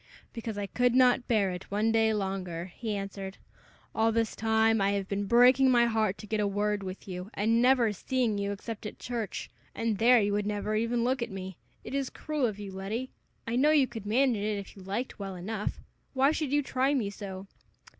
"Because I could not bear it one day longer," he answered. "All this time I have been breaking my heart to get a word with you, and never seeing you except at church, and there you would never even look at me. It is cruel of you, Letty. I know you could manage it, if you liked, well enough. Why should you try me so?"